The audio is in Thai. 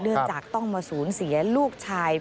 เนื่องจากต้องมาสูญเสียลูกชาย